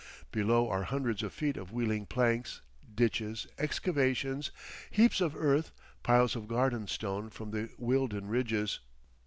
Below are hundreds of feet of wheeling planks, ditches, excavations, heaps of earth, piles of garden stone from the Wealden ridges.